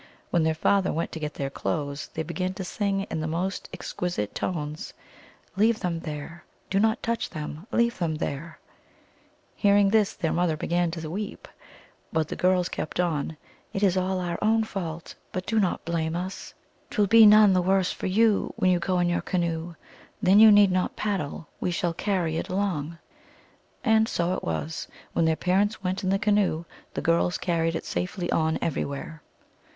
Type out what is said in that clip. When their father went to get their clothes, they began to sing in the most exquisite tones :" Leave them there ! Do not touch them ! Leave them there !" Hearing this, their mother began to weep, but the girls kept on :" It is all our own fault, But do not blame us ; AT O SIS, THE SERPENT. 271 T will be none the worse for you. When you go in your canoe, Then you need not paddle ; We shall carry it along !" And so it was : when their parents went in the ca noe, the girls carried it safely on everywhere.